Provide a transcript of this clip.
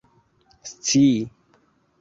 scii